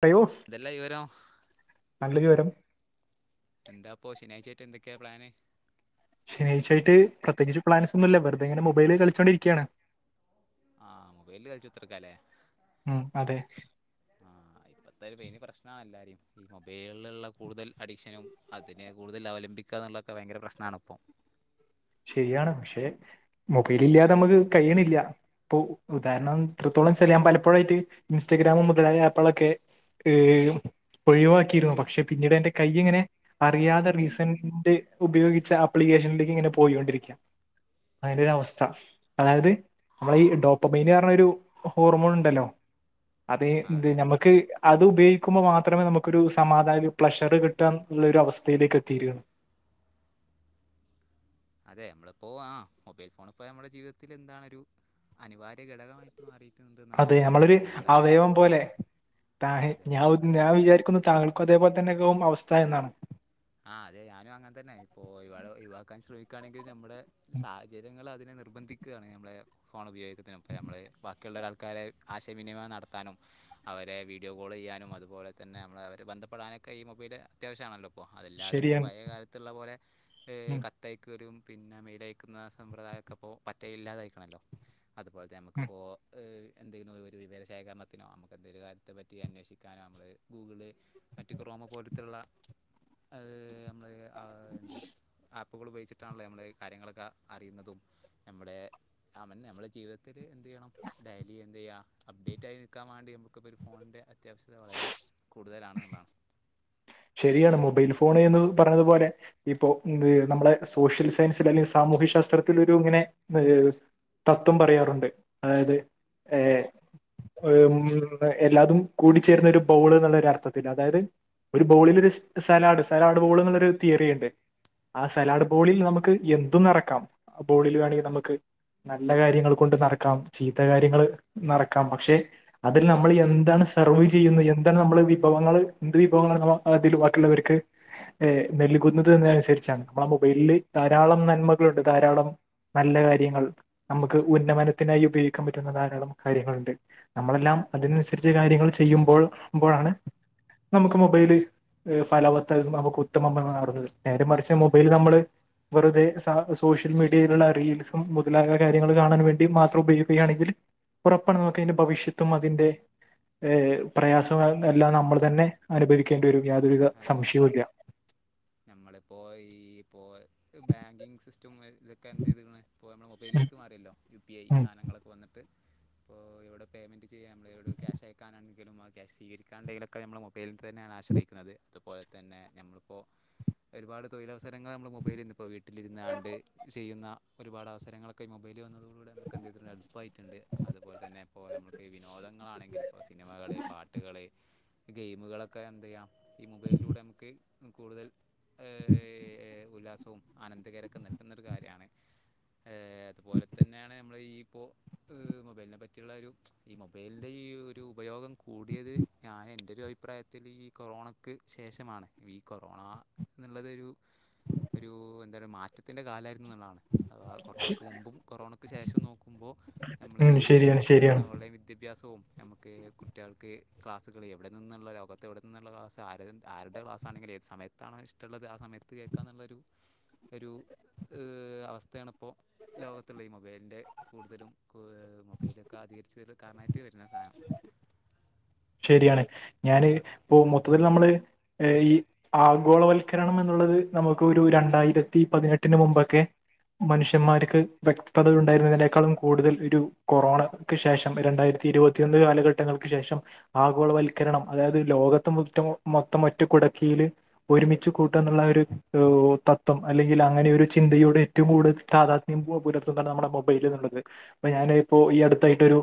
പ്രയോസ് എന്തെല്ലാ വിവരം നല്ല വിവരം എന്താപ്പൊ ശനിയാഴ്ചായിട്ട് എന്തൊക്കെയാ പ്ലാന് ശനിയാഴ്‌ചായിട്ട് പ്രത്യേകിച്ച് പ്ലാൻസ് ഒന്നുല്ല വെറുതെങ്ങനെ മൊബൈലിൽ കളിച്ചുകോണ്ടിരിക്കാണ് ആ മൊബൈലിൽ കളിച്ച്കുത്തിരിക്കാലേ ഉം അതെ ആ ഇപ്പത്തെ ഒരു മെയിൻ പ്രശ്ന എല്ലാരേം ഈ മൊബൈലുള്ള കൂടുതൽ അഡിക്ഷനും അതിനെ കൂടുതൽ അവലംബിക്കാനുള്ളത് ഭയങ്കര പ്രശ്നാണ് ഇപ്പൊ [unintelligible] ശരിയാണ് പക്ഷെ മൊബൈൽ ഇല്ലാതെ നമുക്ക് കഴിയണില്ല ഇപ്പൊ ഉദാഹരണം ഇത്ര ഞാൻ പലപ്പോഴായിട്ട് ഇൻസ്റ്റാഗ്രാമും മുതലായ ആപ്പുകളൊക്കെ ഒഴിവാക്കിയിരുന്നു പക്ഷെ പിന്നീട് എന്റെ കൈ ഇങ്ങനെ അറിയാതെ റീസന്റ് ഉപയോഗിച്ച ആപ്ളി ക്കേഷനിലേക്ക് ഇങ്ങനെ പോയികൊണ്ടിരിക്കാ അങ്ങനൊരു അവസ്ഥ അതായത് നമ്മളെ ഈ ഡോപ്പമെയിന് പറഞ്ഞൊരു ഒരു ഹോർമോൺ ഉണ്ടല്ലോ അത് ആ അതെ അതെ നമുക്ക് അത് ഉപയോഗിക്ക കുമ്പോ മാത്രമേ നമുക്കൊരു സമാധാന പ്ലഷറ് കിട്ടാന്നുള്ള ഒരു അവസ്ഥയിലേക്ക് എത്തിയിരിക്കുന്നു [unintelligible] അതെ നമ്മളപ്പോ ആ മൊബൈൽ ഫോണ് ഇപ്പോ നമ്മളെ ജീവിതത്തിൽ എന്താണൊരു അനിവാര്യ ഘടകായിട്ട് മാറി അതെ ഞമ്മളൊരു അവയവം പോലെ താ ആ അതെ അതെ ഞാൻ ഞാൻ നമ്മള് വിചാരിക്കുന്നു താങ്കൾക്കും അതേപോലെ തന്നെക്ക ആവും അവസ്ഥ എന്നാണ് ആ അതെ ഞാനും ക്കുകയാണെങ്കിൽ നമ്മുടെ സാഹചര്യങ്ങൾ അതിനെ നിർബന്ധിക്കുകയാാണ് നമ്മെളെ ഫോൺ ഉപയോഗിക്കത്തിന് ഇപ്പം നമ്മളെ ബാക്കിയുള്ളൾക്കാരെ ആശയവിനിമയം നടത്താനും അവരെ വീഡിയോ കോളെയ്യാനും അതുപോലെ തന്നെ നമ്മളെ അവർ ബന്ധപ്പെടാനൊക്കെ ഈ മൊബൈല് അത്യാവശ്യാണല്ലോ അപ്പോ അതല്ലാതെ ഇപ്പോൾ ശരിയാണ് പയേ കാലത്തുള്ള പോലെ ഉം കത്തയക്കലും പിന്നെ മെയിലയക്കുന്ന സമ്പ്രദായൊക്കെ ഇപ്പോ പറ്റേ ഇല്ലാത്തായിക്കണലോ അതുപോലെത്തെ ഉം നമുക്കിപ്പോ എന്തെങ്കിലും ഒരു വിവര ശേഖരണത്തിനോ നമുക്ക് എന്തേലും കാര്യത്തെ പറ്റി അന്വേഷിക്കാനോ നമ്മള് ഗൂഗിള് മറ്റ് ക്രോം മോ പോലത്തുള്ള നമ്മൾ ആ അത് ആപ്പുകൾ ഉപയോഗിച്ചിട്ടാണല്ലോ നമ്മള് കാര്യങ്ങളൊക്കെ അറിയുന്നതും നമ്മുടെ നമ്മളെ ജീവിതത്തിൽ എന്ത് ചെയ്യണം ഡയ്ലി എന്ത് ചെയ്യ അപ്ഡേറ്റ് ആയി നിക്കാൻ വേണ്ടി നമുക്ക് ഒരു ഫോണിന്റെ അത്യാവശ്യത വളരെ കൂടുതലാണെന്നുള്ളതാണ് ശരിയാണ് മൊബൈൽ ഫോൺ എന്ന് പറഞ്ഞതു പോോലെ ഇപ്പോ നമ്മളെ സോഷ്യൽ സയൻസിൽ അല്ലെങ്കിൽ സാമൂഹ്യ ശാസ്ത്രത്തിലൊരു ഇങ്ങനെ തത്വം പറയാറുണ്ട് അതായത് ഏ എല്ലാതും കൂടിച്ചേരുന്ന ഒരു ബോള് നല്ലൊർത്ഥ ത്തിൽ അതായത് ഒരു ബോളിൽ ഒരു സലാഡ് സലാഡ് ബോള്ന്നുള്ളൊരു തിയറിണ്ട് ആ സലാഡ് ബോളിൽ നമുക്ക് എന്തും നറക്കാം ബോളിൽ വേണെങ്കിൽ നമുക്ക് നല്ല കാര്യങ്ങൾ കൊണ്ട് നറക്കാം ചീത്ത കാര്യങ്ങൾ നറക്കാം പക്ഷെ അതിൽ നമ്മൾ എന്താണ് സെർവ് ചെയ്യുന്നു എന്താണ് നമ്മള് വിഭവങ്ങൾ എന്ത് വിഭവങ്ങൾ ബാക്കിയുള്ളവർക്ക് നെൽകുന്നതനുസരിച്ചാണ് നമ്മൾ വല്ലി ധാരാളം നന്മകളുണ്ട് ധാരാളം നല്ല കാര്യങ്ങൾ നമുക്ക് ഉന്നമനത്തിനായി ഉപയോഗിക്കാൻ പറ്റുന്ന ധാരാളം കാര്യങ്ങളുണ്ട് നമ്മളെല്ലാം അതിനനുസരിച്ച് കാര്യങ്ങൾ ചെയ്യുമ്പോൾ മ്പോഴാണ് നമുക്ക് മൊബൈല് ഫലവത്ത് നമുക്ക് ഉത്തമ [unintelligible] നേരെ അതെ മറിച്ച് അതെ മൊബൈല് നമ്മള് വെറുതെ സ സോഷ്യൽ മീഡിയയിലുള്ള റീൽസും മുതലായ കാര്യങ്ങൾ കാണാൻ വേണ്ടി മാത്രം ഉപയോഗിക്കുകയാണെങ്കിൽ ഉറപ്പാണ് നമുക്കയിന്റെ ഭവിഷ്യത്തും അതിന്റെ പ്രയാസം എല്ലാം നമ്മള് അതന്നെ അനുഭവിക്കേണ്ടി വരും യാതൊരുവിധ സംശ്യോം ഇല്യ നമ്മളിപ്പോ ഈ ഇപ്പോ ബാങ്കിങ് സിസ്റ്റം ഒന്ന് ഒക്കെ എന്തെയത്ക്ക്ണ് ഇപ്പോൾ നമ്മ മൊബൈലേക്ക് മാറിയല്ലോ യു പി ഐ സാനങ്ങളൊക്കെ വന്നിട്ട് ഇപ്പോൾ ഇവിടെ പേയ്മെന്റ് ചെയ്യാനും നമ്മവിടെ ക്യാശയക്കാന എങ്കിലും ആ സ്വീകരിക്കാണ്ടെലൊമ്മള് മൊബൈൽ തന്നെയാണ് ആശ്രയി അതുപോലെ തന്നെ നമ്മളിപ്പോ ഒരുപാട് തൊഴിലവസരങ്ങൾ നമ്മള് മൊബൈലിന്നിപ്പോൾ വീട്ടിലിരുന്നാണ്ട് ചെയ്യുന്ന ഒരുപാട് അവസരങ്ങളൊക്കെ ഈ മൊബൈല് വന്നതോ [unintelligible] എള്പ്പായിട്ട്ണ്ട് അതുപോലെതന്നെ എപ്പോൾ നമുക്ക് വിനോദങ്ങളാണെങ്കിലും ഇപ്പോൾ സിനിമകള് പാട് ഗെയിമുകളൊക്കെ എന്ത് ചെയ്യാം ഈ മൊബൈയിലൂടെ നമുക്ക് കൂടുതൽ ഉല്ലാസവും ആനന്ദകരൊക്കെ നൽകുന്നൊരു കാര്യമാണ് അതുപോലെ തന്നെയാണ് നമ്മൾ ഈ ഇപ്പോൾ മൊബൈലിനെ പറ്റിയുള്ള ഒരു ഈ മൊബൈലിൻ്റെ ഈ ഒരു ഉപയോഗം കൂടിയത് ഞാൻ എൻ്റെ ഒരു അഭിപ്രായത്തിൽ ഈ കൊറോണക്ക് ശേഷമാണ് ഈ കൊറോണ എന്നുള്ളതൊരു ഒരു എന്താ പറ മാറ്റത്തിന്റെ കാലായി താണ് അ കൊറോണയ്ക്ക് മുമ്പും കൊറോണക്ക് ശേഷം നോക്കുമ്പോ നമ്മ ഉം ഈ ശരിയാണ് ശരിയാണ് വിദ്യാഭ്യാസവും നമുക്ക് കുട്ടികൾക്ക് ക്ലാസ്സുകള് എവിടെ നിന്നുള്ള ലോകത്തെവിടെ എന്നുള്ള ക്ലാസ് ആ ആരുടെ ക്ലാസ് ആണെങ്കിൽ ഏത് സമയത്താണോ ഇഷ് ഒള്ളത് ആ സമയത്ത് കേൾക്കാ എന്നുള്ളൊരു ഒരു അവസ്ഥയാണിപ്പോ ലോകത്തുള്ള ഈ മൊബൈലിൻ്റെ കൂടുതലും മൊബൈലൊക്കെ ആ [unintelligible] കാരണായിട്ട് വരുന്ന സാനം ശരിയാണ് ഞാന് ഇ മൊത്തത്തിൽ നമ്മള് ഈ ആഗോളവൽക്കരണം എന്നുള്ള ത് നമുക്ക് ഒരു രണ്ടായിരത്തി പതിനെട്ടിന് മുമ്പൊക്കെ മനുഷ്യന്മാർക്ക് വ്യക്തത ഉണ്ടായിരുന്നതിനേക്കാളും കൂടുതൽ ഒരു കൊറോണക്ക് ശേഷം രണ്ടായി ഇരുപത്തിയൊന്ന് കാലഘട്ടങ്ങൾക്ക് ശേഷം ആഗോളവൽക്കരണം അതായത് ലോകത്ത് മുറ്റം മൊത്തം ഒറ്റ കുടക്കീല് ഒരുമിച്ച് കൂട്ടാ എന്നുള്ള ഒരു തത്വം അല്ലെങ്കിൽ അങ്ങനെ ഒരു ചിന്തയോട് ഏറ്റവും കൂടുൽ [unintelligible] പുലർത്തുന്ന നമ്മുടെ മൊബൈ ഞൻ ഇപ്പൊ ഈ അടുത്തായിട്ട് ഒരു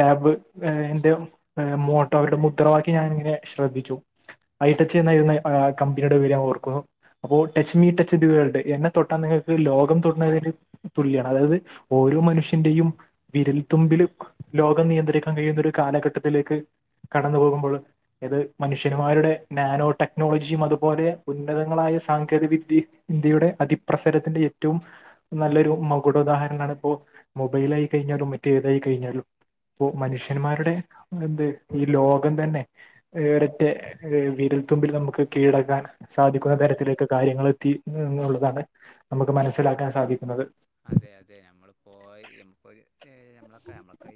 ടാബ് അയിന്റെ ആ മോ അവരുടെ മുദ്രവാക്കി ഞാന്ങ്ങനെ ശ്രദ്ധിച്ചു ഐടച്ച് എന്നായിരുന്ന കമ്പനിയുടെ പേര് ഞാൻ ഓർക്കുന്നു അപ്പോ touch me touch the world എന്നെ തൊട്ടാൻ നിങ്ങൾക്ക് ലോകം തൊട്ടതിന് തുല്യാണ് അതായത് ഓ ഓരോ മനുഷ്യന്റെയും വിരൽത്തുമ്പില് ലോകം നിയന്ത്രിക്കാൻ കഴിയുന്ന ഒരു കാലഘട്ടത്തിലേക്ക് കടന്നു പോകുമ്പോഴ് ഏത് മനുഷ്യന്മാരുടെ നാനോ ടെക്നോളജിയും അതുപോലെ ഉന്നതങ്ങള മായ സാങ്കേതിക വിദ്യ ഇന്ത്യയുടെ അതി പ്രസരത്തിന്റെ ഏറ്റവും നല്ലൊരു മകുടദാഹരണാണ് അപ്പോ മൊബൈലായി കഴിഞ്ഞാലും മറ്റേ ഏതായി കഴിഞ്ഞാലും ഇപ്പോ മനുഷ്യന്മാരുടെ എന്ത് ഈ ലോകം തന്നെ ഒരൊറ്റ വിരൽത്തുമ്പില് നമുക്ക് കീഴടക്കാൻ സാധിക്കുന്നത് തരത്തിലൊക്കെ കാര്യങ്ങള് എത്തി എന്നുള്ളതാണ് നമുക്ക് മനസ്സിലാക്കാൻ സാധിക്കുന്നത് അതെ അതെ നമ്മള് പോയി നമ്മൊ നമ്മളൊക്കെ നമ്മളൊക്കെ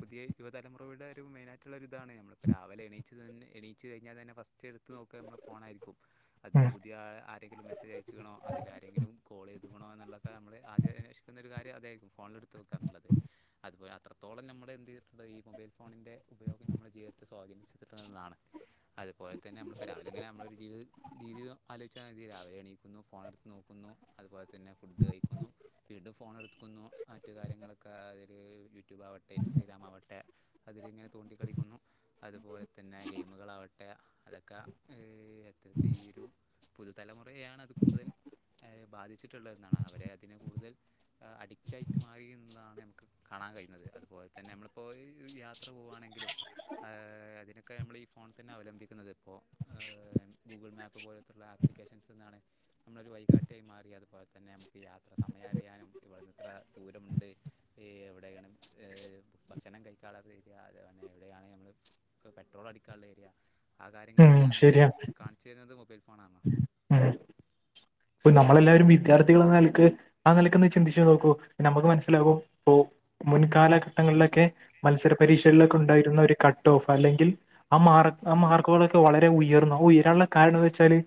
പുതിയ യുവതലമുറയുടെ ഒരു മെയിനായിട്ടുള്ള ഒരു ഇതാണ് നമ്മളിപ്പോൾ രാവിലെണീച്ച് തന്നെ എണീച്ച് കഴിഞ്ഞാ തന്നെ ഫസ്റ്റ് എടുത്ത് നോ ക്കെ നമ്മളെ ഫോൺ ആയിരിക്കും അതില് ഉം പുതിയ ആരെങ്കിലും മെസ്സേജ് അയച്ചക്കണോ അതില ആരെങ്കിലും കോൾ ചെയ്തക്കണോ എന്നുള്ളൊക്കെ നമ്മ അന്വേഷിക്കുന്ന ഒരു കാര്യം അതായിരിക്കും ഫോണില എടുത്ത് വെക്കാനുള്ളത് അതുപോല അത്രത്തോളം നമ്മൾ എന്ത് ചെയ്തിട്ടുള്ളത് ഈ മൊബൈൽ ഫ ഫോണിൻ്റെ ഉപയോഗം നമ്മുടെ ജീവിതത്തെ സ്വാധീനിച്ച തരുന്നതാണ് അതുപോലെ അ തന്നെ നമ്മളിപ്പോൾ രാവിലെങ്ങനെ നമ്മള് ഒരുജീവിത രീതിൽ ആലോചിച്ചൽ രീതി രാവിലെ എണീക്കുന്നു ഫോൺ എടുത്ത് നോക്കുന്നു അത് അപ്പ അത് തന്നെ ഫുഡ് കഴിക്കുന്നു വീണ്ടും ഫോൺ എടുക്കുന്നു മറ്റു കാര്യങ്ങളൊക്കെ അതില് യൂട്യൂബ് ആവട്ടെ ഇൻസ്റ്റഗ്രാം ആവട്ടെ അതില ഇങ്ങനെ തോണ്ടി കളിക്കുന്നു അതുപോലെ തന്നെ ഗെയിമുകളാവട്ടെ അതൊക്കെ എത്രരത്തി ഈ ഒരു പുതുതലമുറയെയാണ് അത് കൂടുതൽ ബാധിച്ചിട്ടു എന്നാണ് അവരെ അതിന് കൂടുതൽ അഡിക്റ്റ് ആയിട്ട് മാറി എന്നുള്ളതാണ് കാണാൻ കഴിയുന്നത് അതുപോലെ തന്നെ നമ്മളിപ്പോൾ യാത്ര പോകുവാണെങ്കിലും ഏ അതിനൊക്കെ നമ്മൾ ഈ ഫോണിൽ തന്നെ അവലംബിക്കുന്നത് ഇപ്പോൾ [unintelligible] ഗൂഗിൾ മാപ്പ് പോലെത്തുള്ള ആപ്ലിക്കേഷൻസ് എന്നാണ് നമ്മളൊരു വഴികാട്ടി ആയി മാറി അതുപോലെ തന്നെ നമുക്ക് യാത്ര സമയ അറിയാനും ഇവിടെന്ന് എത്ര ദൂരമുണ്ട് എ ഏ എവിടെക്കാണ് ഭക്ഷണം കഴിക്കാനുള്ള ഏരിയ അതുപോലെ തന്നെ എവിടെയാണ് നമ്മള് പെട്രോൾ അടിക്കാനുള്ള ഏരിയ ആ ഉം കാര്യങ്ങളൊക്കെ നമ്മുക്ക് കാണിച്ചു തരുന്നത് മൊബൈൽ ഫോൺ ആണ് ആ ഇപ്പൊ നമ്മളെല്ലാവരും വിദ്യാർത്ഥികൾ എന്ന നിലക്ക് ആ നിലക്കൊന്ന് ചിന്തിച്ചു നോക്കൂ നമുക്ക് മനസ്സിലാകും ഇപ്പോ മുൻകാലഘട്ടങ്ങളിലൊക്കെ മത്സര പരീക്ഷകളിലൊക്കെ ഉണ്ടായിരുന്ന ഒരു കട്ട് ഓഫ് അല്ലെങ്കിൽ ആ മാ- ആ മാർക്കുകളൊക്കെ വളരെ ഉയർന്നു ആ ഉയരാനുള്ള കാരണംന്ന് വെച്ചാല്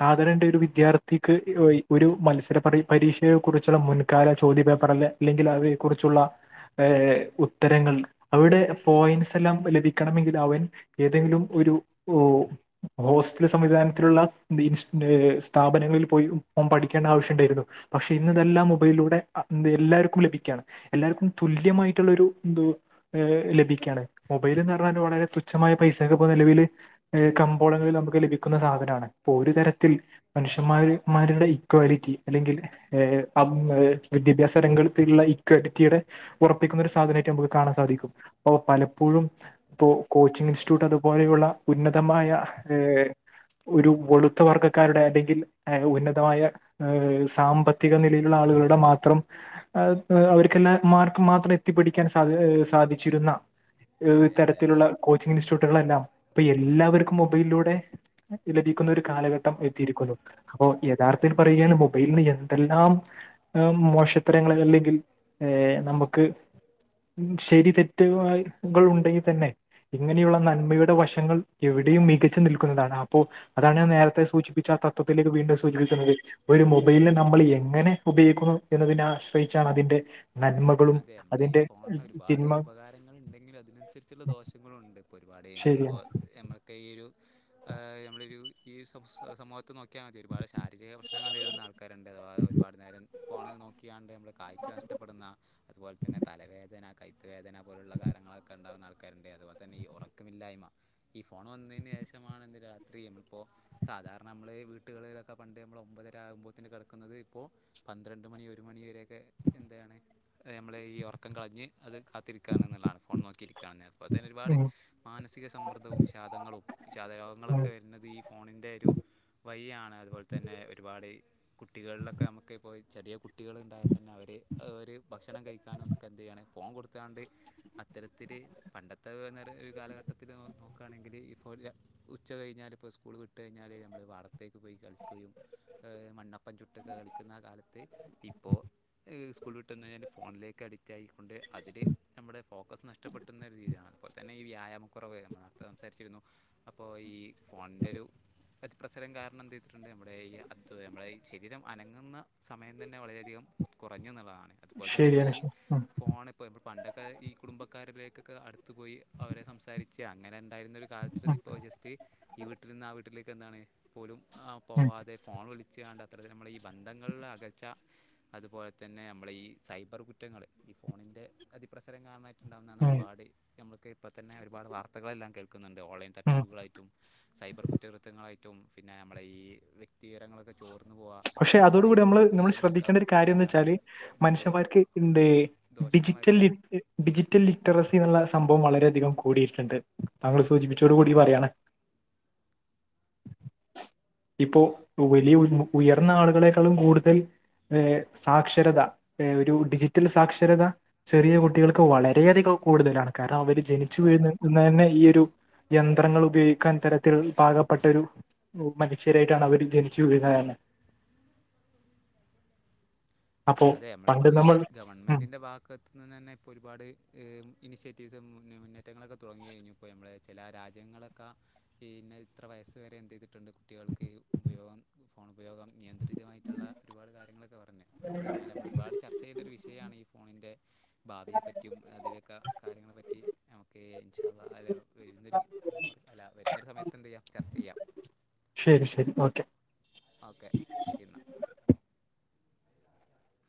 സാധാരണ ഒരു വിദ്യാർത്ഥി ത്തിക്ക് ഒരു മത്സര പരീക്ഷയെ കുറിച്ചുള്ള മുൻകാല ചോദി പേപ്പറല്ല അല്ലെങ്കിൽ അവയെ കുറിച്ചോ ഉള്ള ഏ ഉത്തരങ്ങൾ അവിടെ പോയിന്റ്സ് എല്ലാം ലഭിക്കണമെങ്കിൽ അവൻ ഏതെങ്കിലും ഉ ഒരു ഒ ഹോസ്റ്റല് സംവിധാനത്തിലുളള നീറ്റ്സിൻ്റെ സ്ഥാപനം പനങ്ങളിൽ പോയി പഠിക്കേണ്ട ആവശ്യം ഉണ്ടായിരുന്നു പക്ഷെ ഇന്ന ഇതെല്ലാം മൊബൈിലൂടെ എല്ലാർക്കും ലഭിക്കുകയാണ് എല്ലാർക്കും തുല്യമായിട്ടുള്ള ഒരു ഇത് എ ലഭികാണ് മൊബൈൽ ന് പറഞ്ഞാ വളരെ തുച്ഛമായ പൈസക്കെ ഇപ്പോ നിലവിൽ എ കമ്പോളങ്ങളിൽ നമുക്ക് ലഭിക്കുന്ന സാധനമാണ് ഇപ്പോ ഒരു തരത്തിൽ മനുഷ്യൻമാരുടെ ഇക്വാലിറ്റി അല്ലെങ്കിൽ എ അം വിദ്യാഭ്യാസ രംഗത്തുള്ള ഇക്വാലിറ്റിയുടെ ഉറപ്പിക്കുന്ന ഒരു സാധനമായിട്ട് നമുക്ക് കാണാൻ സാധിക്കും അപ്പ പലപ്പോഴും ഇപ്പോ കോ- കോച്ചിങ് ഇൻറ്റിറ്റ്യൂട്ട് അതുപോലെയുള്ള ഉന്നതമായ എ ഒരു വെളുത്ത വർഗക്കാരുടെ അല്ലെ ഉന്നതമായ ഏ സാമ്പത്തിക നിലയിലുള്ള ആളുകളുടെ മാത്രം അവർക്കെല്ലാ മാർക്കും മാത്രം എത്തിപ്പിടിക്കാൻ സാധ സാധിച്ചിരുന്ന അതെ അതെ തരത്തിലുള്ള അതെ കോച്ചിംഗ് ഇൻസ്റ്റിറ്റ്യൂട്ടുകളെല്ലാം ഇപ്പൊ എല്ലാവർക്കും മൊബൈലിലൂടെ ലഭിക്കുന്ന ഒരു കാലഘട്ടം എത്തിയിരിക്കല്ലോ അപ്പൊ യഥാർത്ഥത്തിൽ പറയുകാണ് മൊബൈലിന് എന്തെല്ലാം ഏഹ് മോശത്തരങ്ങൾ അല്ലെങ്കിൽ ഏ നമുക്ക് ശരി തെറ്റുകൾ ഉണ്ടെങ്കിൽ തന്നെ ഇങ്ങനെയുള്ള നന്മയുടെ വശങ്ങൾ എവിടെയും മികച്ചു നിൽക്കുന്നതാണ് അപ്പോ അതാണ് ഞാൻ നേരത്തെ സൂചിപ്പിച്ച ത്ത ത്തിലേക്ക് വീണ്ടും സൂചിപ്പിക്കുന്നത് ഒരു മൊബൈലിനെ നമ്മൾ എങ്ങനെ ഉപയോഗിക്കുന്നു എന്നതിനെ ആശ്രയിച്ചാണ് അതിൻ്റെ അതെ നമ്മളെ ഈ ഫോണിന് ഒരുപാട് തിന്മ ഉപകാരങ്ങൾ ഉണ്ടെങ്കിലും അതിനനുസരിച്ചുള്ള ദോഷങ്ങളും ഉണ്ട് ഒരുപാട് ശരിയാണ് നമ്മളിപ്പോൾ നമ്മക്കിയൊരു ഈ ഒരു നമ്മളൊ ഒരു ഈ ഒരു സമൂഹത്ത് നോക്കി ക്യാ നോക്കിയാൽ മതി ഒരുപാട് ശീരിക പ്രശ്നങ്ങൾ നേരിടുന്ന ആൾക്കാരുണ്ട് അഥവാ ഒരുപാട് നേരം ഫോണ് നോക്കിയാണ്ട് നമ്മൾ കാഴ്ച നഷ്ടപ്പെടുന്ന അതുപോലെ തന്നെ തലവേദന കൈക്കുവേദന പോലുള്ള കാര്യങ്ങളൊക്കെ ഇണ്ടാകുന്ന ആൾ ആൾക്കാരുടെ അതുപോലെ തന്നെ ഈ ഉറക്കമില്ലായ്മ ഈ ഫോൺ വന്നതിന് ശേഷമാണ് ഇത് രാത്രി നമ്മളിപ്പോ സ സാധാരണ നമ്മൾ ഈ വീട്ടുകളിലൊക്കെ പണ്ട് നമ്മൾ ഒമ്പതര ആകുമ്പോഴത്തിന് കിടക്കുന്നത് ഇപ്പോൾ പന്ത്രണ്ട് മണി ഒരു മണിവരെ ഒക്കെ എന്താണ് നമ്മൾ ഈ ഉറക്കം കളഞ്ഞ് അത് കാത്തിരിക്കുകാണ് എന്നുള്ളതാണ് ഫോൺ നോക്കിയിരിക്കുകാണ് അതുപോലെ തന്നെ ഒരുപാട് ഉം മാനസിക സമ്മർദ്ദവും വിഷാദങ്ങളും വി ഉം പ്രയോഗങ്ങളൊക്കെ വരുന്നത് ഈ ഫോണിൻ്റെ ഒരു വല്ല്യേ ആണ് അതുപോലെ തന്നെ ഒരുപാട് കുട്ടികളിലൊക്കെ നമുക്കിപ്പോൾ ചെറിയ കുട്ടികളുണ്ടായാൽ തന്നെ അവര് അവര് ഭക്ഷണം കഴിക്കാനും ഒക്കെ എന്തു ചെയ്യാണ് ഫോൺ കൊടുത്താണ്ട് അത്തരത്തിൽ പണ്ടത്തെന്നര ഒരു കാലഘട്ടം മൊത്തത്തിൽ നോക്കുകയാണെങ്കിൽ ഇപ്പോൾ ഉച്ച കഴിഞ്ഞാൽ ഇപ്പോൾ സ്കൂൾ വിട്ടു കഴിഞ്ഞാൽ നമ്മൾ പാടത്തേക്ക് പോയി കളിച്ചു കുകയും എ മണ്ണപ്പം ചുട്ട് കളിക്കുന്ന കാലത്ത് ഇപ്പോ സ്കു കിട്ടുന്നരം ഫോണിലേക്ക് അഡിക്റ്റ് ആയിക്കൊണ്ട് അതില് നമ്മുടെ ഫോക്കസ് നഷ്ടപ്പെട്ടുന്ന ഒരു രീതിയാണ് അതുപോലെ തന്നെ ഈ വ്യായാമം വ്യായാമക്കുറവ് സംസാരിച്ചിരുന്നു അപ്പോൾ ഈ ഫോണിൻ്റെ ഒരു പ്രസരം കാരണം എന്ത് ചെയ്തിട്ടുണ്ട് നമ്മുടെ ഈ അത് നമ്മുടെ ശരീരം അനങ്ങുന്ന സമയം തന്നെ വളരെയധികം കുറഞ്ഞെന്നുള്ളതാണ് അതുപോലെ തന്നെ നമ്മൾ ശരിയാണ് ഈ ശരി ഉം ഫോണൊക്കെ പണ്ടൊക്കെ ഈ കുടുംബക്കാരിലേക്ക് അടുത്ത് പോയി അവരെ സംസാരിച്ച് അങ്ങനെന് ആയിരുന്ന ഒരു കാലത്ത് ഉം നിന്ന് ഇപ്പോൾ ജസ്റ്റ് ഈ വീട്ടിൽ നിന്ന് ആ വീട്ടിലേക്ക് എന്താണ് പോലും ആ ഉം പോവാതെ ഫോൺ വിളിച്ചു കൊണ്ട് അത്രത്തി നമ്മളെ ബന്ധങ്ങളിലെ അകച്ച അതുപോലെ തന്നെ നമ്മള ഈ സൈബർ കുറ്റങ്ങള് ഈ ഫോണിൻ്റെ അതിപ്രസരം കാരണമായിട്ട്ഇണ്ടാവുന്നതാണ് ഉം ഒരുപാട് ഞ ഇപ്പോ തന്നെ ഒരുപാട് വാർത്തകളെല്ലാം കേൾക്കെന്നണ്ട്ഓൺലൈൻ ഉം തട്ടിപ്പുകളായിട്ടും സൈബർ കുറ്റകൃത്യങ്ങളായി മറ്റും പിന്നെ നമ്മളെ ഈ വ്യക്തിവി രങ്ങളൊക്കെ ചോ പക്ഷെ അതോട് കൂടി നമ്മള് നമ്മൾ ഒക്കെ ശ്രദ്ധിക്കേണ്ട ഒരു കാര്യംന്ന് എന്താണ് വെച്ചാല് ഇതിൻ്റെ ഒരു മനുഷ്യന്മാർക്ക് ഇണ്ട് ഇ ഡിജിറ്റൽ ലി ദോഷങ്ങളായിട്ടാണ് ഡിജിറ്റൽ ലിറ്ററസി എന്നുള്ള സംഭവം വളരെയധികം കൂടിയിട്ടുണ്ട് താങ്കൾ സൂചിപ്പിച്ചോട് കൂടി പറയണ് ഇപ്പോ വലിയഉ ഉയർന്ന ആളുകളെക്കാളും കൂടുതൽ ഏ സാക്ഷരത ഏ ഒരു ഡിജിറ്റൽ സാക്ഷരത ചെറിയ കുട്ടികൾക്ക് വളരെയധികം കൂടുതലാണ് കാരണം അവര് ജനിച്ചു അതെ അതെ വീഴുന്നാത്തന്നെ ഈ ഒരു യന്ത്രങ്ങൾ ഉപയോഗിക്കാൻ തരത്തിൽ പാകപ്പെട്ടരു മനുഷ്യരായിട്ടാണ് അവര് ജനിച്ചു വീഴാന്നെ അപ്പോ അതെ അമ്മളിപ്പോ പണ്ട് ഈ നമ്മൾ ഉം ഗവൺമെന്റിന്റെ ഭാഗത്ത്നിന്ന് തന്നെ ഇപ്പൊ ഒരുപാട് ഇനിഷ ഇത് മുന്നേ മുന്നേറ്റങ്ങളൊക്കെ തുടങ്ങി കഴിഞ്ഞുപ്പോൾ നമ്മളേ ചില രാജ്യങ്ങളൊക്കെ ഈ ഇന്നെഇത്ര വയസ്സ് വരെ എന്ത് ചെയ്തിട്ടുണ്ട് കുട്ടികൾക്ക്ഈ ഉപയോഗം ഫോൺ ഉപയോഗം നിയന്ത്രിതമായിട്ടുള്ള ഒരുപാട് കാര്യങ്ങളൊക്കെ പറഞ്ഞു. ഇതാരാ നമ്മൾ ഒരുപാട് ചർച്ച ചെയ്യണ്ട ഒരു വിഷയമാണ്ഈ ഫോണിൻ്റെ ഭാവിയെ പറ്റിയും അതിലൊക്കെ കാര്യങ്ങളെപ്പറ്റി നമുക്ക് ഇൻഷാഅള്ള അൽ ഇതൊരു പുതലമുറ അല്ല വരുന്നൊരു സമയത്ത് എന്ത ചെയ്യാം ചർച്ച ചെയ്യാം ശരി ശരി ഓക്കെ ഓക്കെ ശരി എന്നാൽ